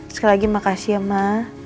sekali lagi makasih ya mak